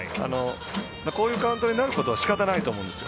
こういうカウントになるとしかたないと思うんですよ。